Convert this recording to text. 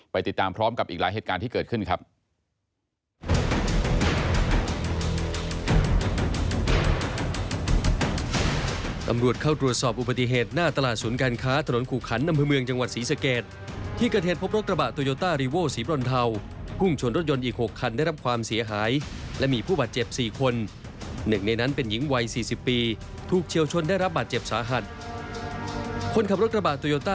ติดตามพร้อมกับอีกหลายเหตุการณ์ที่เกิดขึ้นครับ